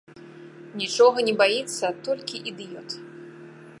Нічога не баіцца толькі ідыёт.